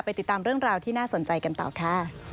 ติดตามเรื่องราวที่น่าสนใจกันต่อค่ะ